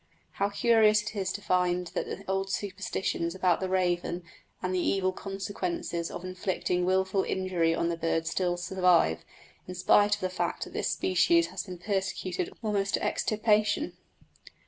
How curious it is to find that the old superstitions about the raven and the evil consequences of inflicting wilful injury on the bird still survive, in spite of the fact that the species has been persecuted almost to extirpation!